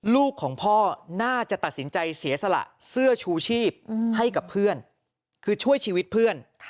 ลูกของพ่อน่าจะตัดสินใจเสียสละเสื้อชูชีพให้กับเพื่อนคือช่วยชีวิตเพื่อน